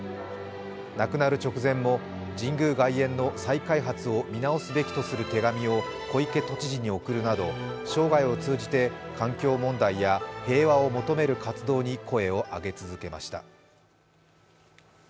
亡くなる直前も神宮外苑の再開発を見直すべきとする手紙を小池都知事に送るなど、生涯を通じて環境問題や平和を求める活動に声を上げ続けました。